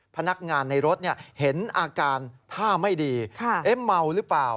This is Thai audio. พนักงานในรถเห็นอาการท่าไม่ดีเมาหรือเปล่า